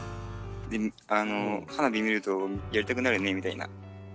で「花火見るとやりたくなるね」みたいな。